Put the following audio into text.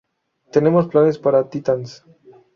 Tenemos planes para "Titans".